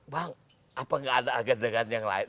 bang apa gak ada adegan yang lain